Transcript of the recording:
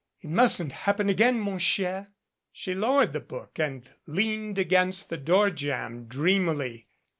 It mustn't happen again, mon cher." She lowered the book and leaned against the door jamb dreamily.